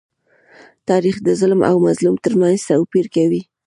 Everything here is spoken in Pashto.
تاریخ د ظالم او مظلوم تر منځ توپير کوي.